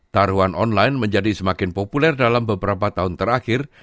taruhan online menjadi semakin populer dalam beberapa tahun terakhir